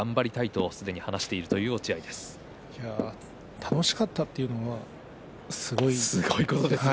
楽しかったというのはすごいですね。